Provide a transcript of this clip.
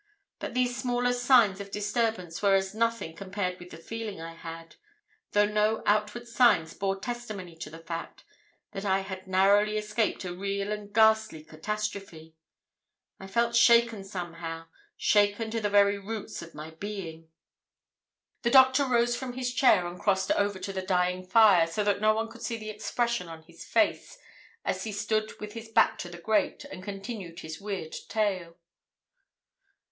But these smaller signs of disturbance were as nothing compared with the feeling I had—though no outward signs bore testimony to the fact—that I had narrowly escaped a real and ghastly catastrophe. I felt shaken, somehow, shaken to the very roots of my being." The doctor rose from his chair and crossed over to the dying fire, so that no one could see the expression on his face as he stood with his back to the grate, and continued his weird tale.